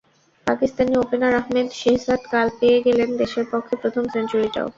Pakistani opener Ahmed Shehzad কাল পেয়ে গেলেন দেশের পক্ষে প্রথম সেঞ্চুরিটাও।